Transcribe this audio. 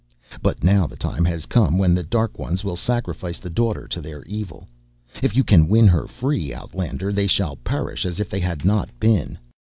"But now the time has come when the dark ones will sacrifice the Daughter to their evil. If you can win her free, outlander, they shall perish as if they had not been."